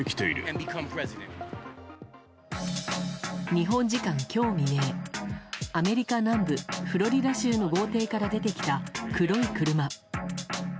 日本時間今日未明アメリカ南部フロリダ州の豪邸から出てきた黒い車。